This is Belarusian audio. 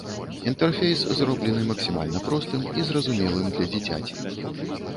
Інтэрфейс зроблены максімальна простым і зразумелым для дзіцяці.